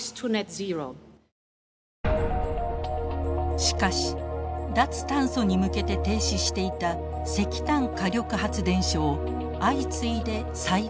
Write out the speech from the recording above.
しかし脱炭素に向けて停止していた石炭火力発電所を相次いで再稼働。